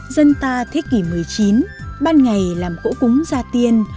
dân ta thế kỷ một mươi chín ban ngày làm cỗ cúng ra tiên